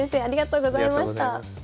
ありがとうございます。